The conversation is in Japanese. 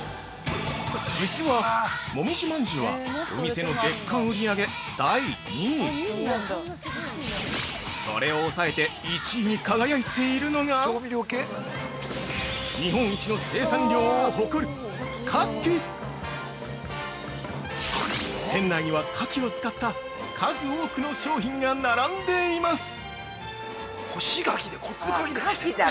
◆実は、もみじ饅頭はお店の月間売上、第２位それを押さえて１位に輝いているのが日本一の生産量を誇る「かき」店内にはかきを使った、数多くの商品が並んでいます。